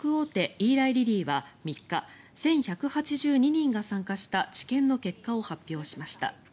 イーライリリーは３日１１８２人が参加した治験の結果を発表しました。